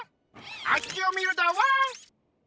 あっちをみるだワン！